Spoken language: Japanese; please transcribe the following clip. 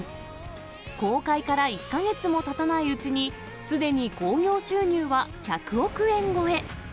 公開から１か月もたたないうちに、すでに興行収入は１００億円超え。